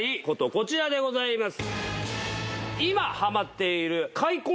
こちらでございます。